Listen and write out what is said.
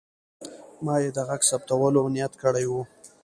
ما یې د غږ ثبتولو نیت کړی و.